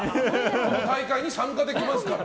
この大会に参加できますから。